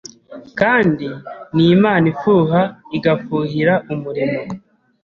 kandi ni Imana ifuha igafuhira umurimo